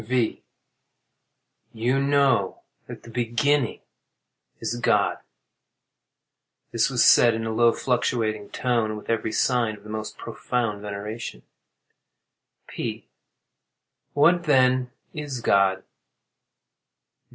V. You know that the beginning is GOD. [This was said in a low, fluctuating tone, and with every sign of the most profound veneration.] P. What then, is God?